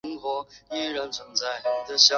阿瓦萨克萨山。